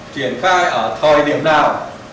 triển khai ở thời điểm nào